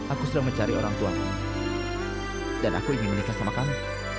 aku sedang mencari orangtuamu dan aku ingin menikah sama kamu